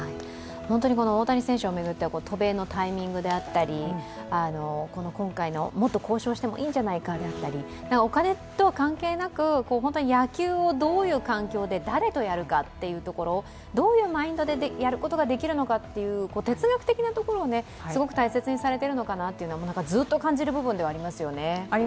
本当にこの大谷選手を巡っては渡米のタイミングであったり今回の、もっと交渉してもいいんじゃないかだったり、お金とは関係なく野球をどういう環境で誰とやるかっていうところをどういうマインドでやることができるのかっていう哲学的なところをすごく大切にされているのかなってずっと感じる部分ではありますよね。